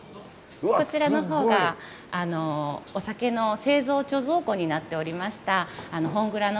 こちらのほうがお酒の製造貯蔵庫になっておりました本蔵のほうでございます。